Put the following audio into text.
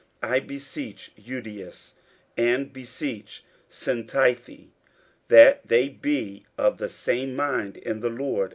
50:004:002 I beseech Euodias, and beseech Syntyche, that they be of the same mind in the Lord.